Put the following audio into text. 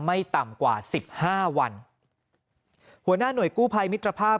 ไม่ต่ำกว่าสิบห้าวันหัวหน้าหน่วยกู้ภัยมิตรภาพ